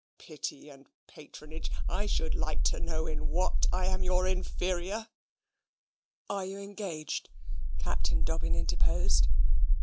Pity and patronage! I should like to know in what I'm your inferior?" "Are you engaged?" Captain Dobbin interposed.